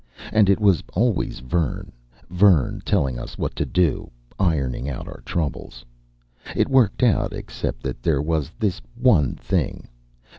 And it was always Vern, Vern, telling us what to do, ironing out our troubles. It worked out, except that there was this one thing.